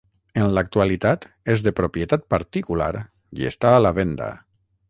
En l’actualitat és de propietat particular i està a la venda.